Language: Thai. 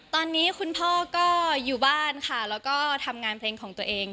ตอนนี้คุณพ่อก็อยู่บ้านค่ะแล้วก็ทำงานเพลงของตัวเอง